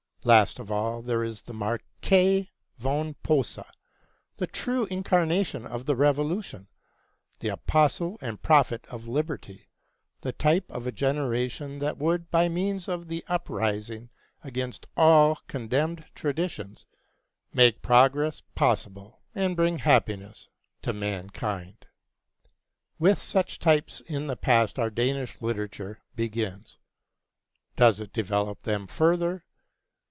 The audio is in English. Last of all, there is the Marquis von Posa, the true incarnation of the revolution, the apostle and prophet of liberty, the type of a generation that would, by means of the uprising against all condemned traditions, make progress possible and bring happiness to mankind. With such types in the past our Danish literature begins. Does it develop them further?